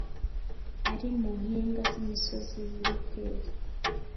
Ari mu mpinga z’ imisozi y’ i Beteri